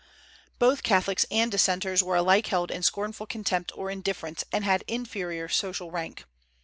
Both Catholics and Dissenters were alike held in scornful contempt or indifference, and had inferior social rank.